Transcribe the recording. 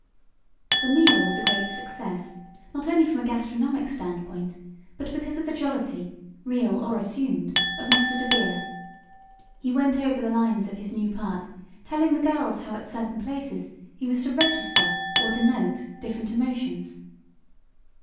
The meal was a great success not only from a gastronomic standpoint, but because of the jollity real or assumed of Mr. DeVere. He went over the lines of his new part, telling the girls how at certain places he was to "register," or denote, different emotions.